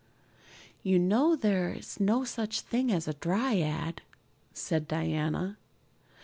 "You know there is no such thing as a dryad," said Diana.